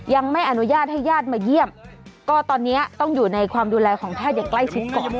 ยังไม่อนุญาตให้ญาติมาเยี่ยมก็ตอนนี้ต้องอยู่ในความดูแลของแพทย์อย่างใกล้ชิดก่อน